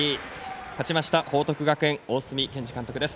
勝ちました、報徳学園大角健二監督です。